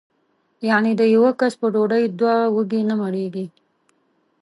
یعنې د یوه کس په ډوډۍ دوه وږي نه مړېږي.